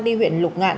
đi huyện lục ngạn